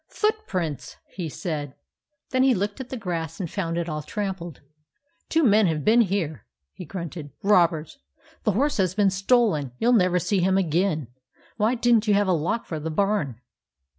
" Footprints !" he said. Then he looked at the grass, and found it all trampled. " Two men have been here," he grunted. " Robbers. The horse has been stolen. You '11 never see him again. Why did n't you have a lock for the barn